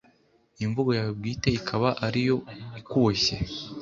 n'imvugo yawe bwite ikaba ari yo ikuboshye